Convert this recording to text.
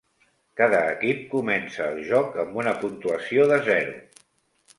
Cada equip comença el joc amb una puntuació de zero.